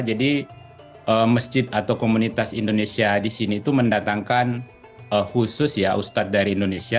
jadi masjid atau komunitas indonesia di sini itu mendatangkan khusus ya ustadz dari indonesia